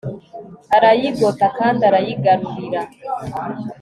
arayigota kandi arayigarurira